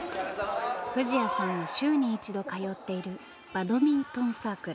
藤彌さんが週に一度通っているバドミントンサークル。